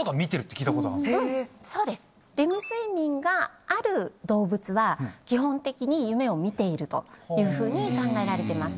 レム睡眠がある動物は基本的に夢を見ているというふうに考えられてます。